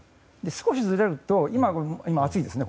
少しずれると日本は今は暑いですね。